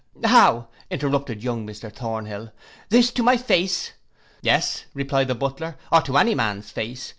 '—'How,' interrupted young Mr Thornhill, 'this to my face!'—'Yes,' replied the butler, 'or to any man's face.